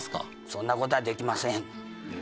そんな事はできません。